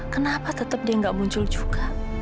kenapa tetap dia nggak muncul juga